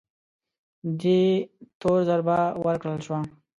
دې تور ضربه ورکړل شوه